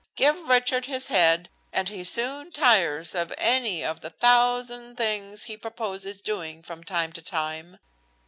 Give Richard his head and he soon tires of any of the thousand things he proposes doing from time to time.